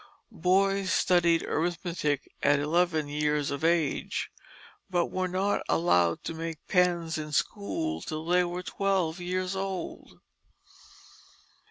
Boys studied arithmetic at eleven years of age, but were not allowed to make pens in school till they were twelve years old.